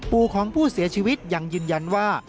ปู่ของผู้เสียชีวิตยังยืนยันว่า